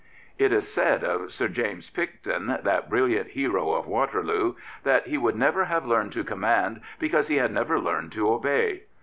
It was said of Sir James Picton, that brilliant hero of Waterloo, that he would never have learned to command because he had never learned to obey.